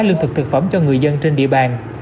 lương thực thực phẩm cho người dân trên địa bàn